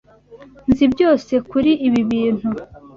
Nzi byose kuri ibi bintu.